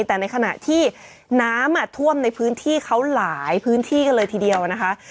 แต่ในขณะที่น้ำท่วมในพื้นที่เขาหลายพื้นที่กันเลยทีเดียวนะคะ